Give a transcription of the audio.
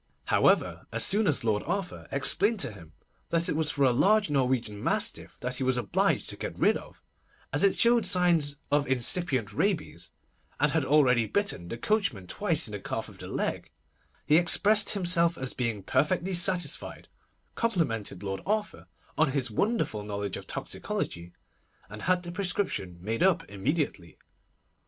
However, as soon as Lord Arthur explained to him that it was for a large Norwegian mastiff that he was obliged to get rid of, as it showed signs of incipient rabies, and had already bitten the coachman twice in the calf of the leg, he expressed himself as being perfectly satisfied, complimented Lord Arthur on his wonderful knowledge of Toxicology, and had the prescription made up immediately.